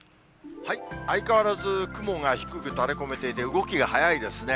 相変わらず雲が低くたれ込めていて、動きが速いですね。